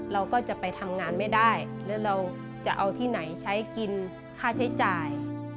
เราก็จะไปทำงานไม่ได้แล้วเราจะเอาที่ไหนใช้กินค่าใช้จ่าย